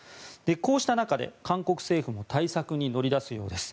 こうした中で、韓国政府も対策に乗り出すようです。